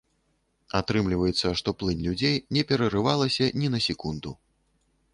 Атрымліваецца, што плынь людзей не перарывалася ні на секунду.